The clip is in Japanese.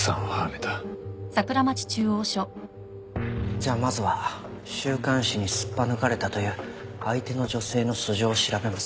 じゃあまずは週刊誌にすっぱ抜かれたという相手の女性の素性を調べますか。